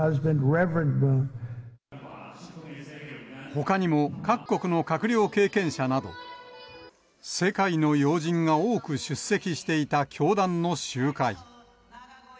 ほかにも、各国の閣僚経験者など、世界の要人が多く出席していた教団の集会。